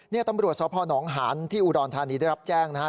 นี่ตำรวจสพนหานที่อุดรธานีได้รับแจ้งนะฮะ